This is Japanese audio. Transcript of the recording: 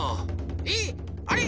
えっ⁉あれ？